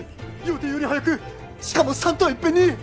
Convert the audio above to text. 予定より早くしかも３頭いっぺんに！